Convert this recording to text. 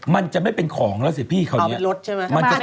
มันจะไม่เป็นของแล้วสิพี่คราวนี้